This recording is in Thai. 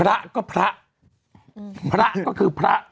พระก็พระพระก็คือพระ